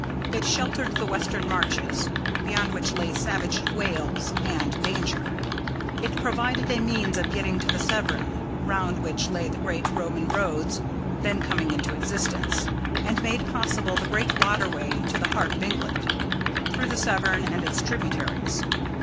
It sheltered the western marches, beyond which lay savage Wales and danger. It provided a means of getting to the Severn, round which lay the great Roman roads then coming into existence, and made possible the great waterway to the heart of England through the Severn and its tributaries.